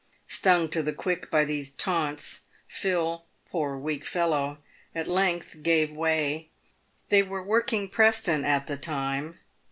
Stung to the quick by these taunts, Phil — poor weak fellow — at length gave way. They were working Preston at the time.